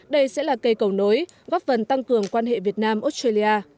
đây sẽ là cây cầu nối góp phần tăng cường quan hệ việt nam australia